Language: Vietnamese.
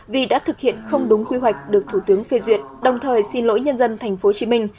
vì đã thực hiện không đúng quy hoạch được thủ tướng phê duyệt đồng thời xin lỗi nhân dân tp hcm